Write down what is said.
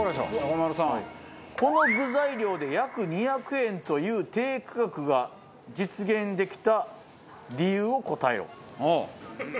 この具材量で約２００円という低価格が実現できた理由を答えよ。